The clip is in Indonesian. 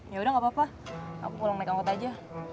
yaudah gapapa aku pulang naik angkot aja